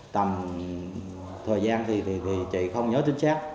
tầm thời gian thì chị không nhớ chính xác